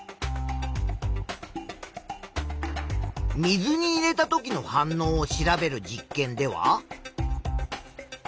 水に入れた時の反応を調べる実験では。